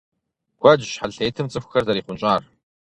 Куэдщ щхьэлтетым цӀыхухэр зэрихъунщӀар.